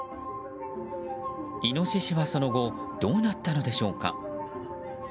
イノシシはその後どうなったのでしょうか。